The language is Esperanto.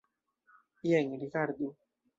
Jen rigardu.